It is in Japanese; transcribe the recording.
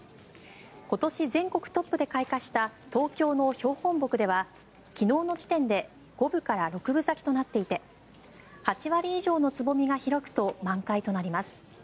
今年全国トップで開花した東京の標本木では昨日の時点で五分から六分咲きとなっていて８割以上のつぼみが開くと満開となります。